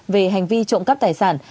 về hành vi trộm cắt tài sản